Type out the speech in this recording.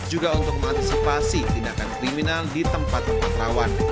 juga untuk mengantisipasi tindakan kriminal di tempat tempat rawan